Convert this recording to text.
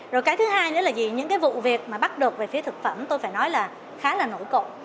rồi cái thứ hai nữa là gì những cái vụ việc mà bắt được về phía thực phẩm tôi phải nói là khá là nổi cộng